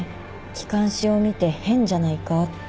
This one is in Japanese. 気管支を見て変じゃないかって。